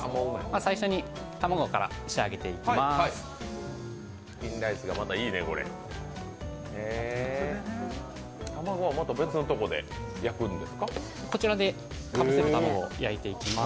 最初に卵から仕上げていきます。